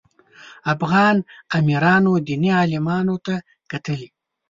افغان امیرانو دیني عالمانو ته کتلي.